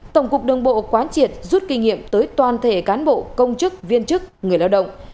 tổng cục đường bộ quán triệt rút kinh nghiệm tới toàn thể cán bộ công chức viên chức người lao động